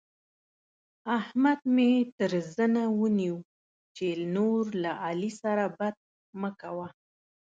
احمد مې تر زنه ونيو چې نور له علي سره بد مه کوه.